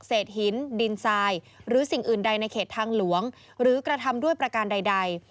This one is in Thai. เศษหินดินทรายหรือสิ่งอื่นใดในเขตทางหลวงหรือกระทำด้วยประการใด